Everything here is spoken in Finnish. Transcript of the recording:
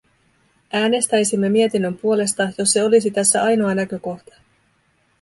Äänestäisimme mietinnön puolesta, jos se olisi tässä ainoa näkökohta.